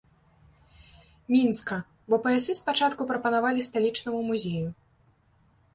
Мінска, бо паясы спачатку прапанавалі сталічнаму музею.